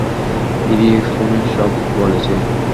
গিরি ফোনে সব বলেছে।